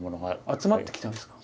集まってきたんですか。